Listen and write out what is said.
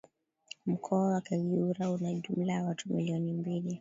Mkoa wa Kagera una jumla ya watu milioni mbili